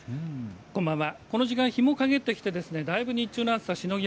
こんばんは。